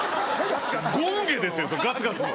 権化ですよガツガツの。